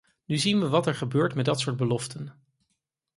Nu zien we wat er gebeurt met dat soort beloften.